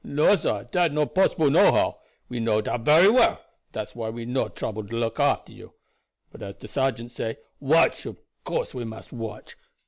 "No sah, dat not possible nohow; we know dat bery well. Dat's why we no trouble to look after you. But as de sargent say watch, ob course we must watch.